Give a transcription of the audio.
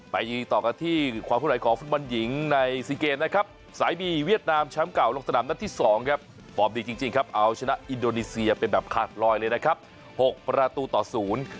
ไปต่อกันที่ความขึ้นไหวของฟุตบอลหญิงในซีเกมนะครับสายบีเวียดนามแชมป์เก่าลงสนามนัดที่สองครับฟอร์มดีจริงจริงครับเอาชนะอินโดนีเซียไปแบบขาดลอยเลยนะครับหกประตูต่อศูนย์